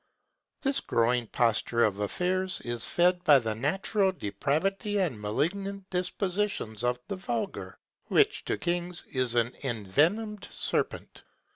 This growing posture of affairs is fed by the natural depravity and malignant dispositions of the vulgar, which to kings is an envenomed serpent.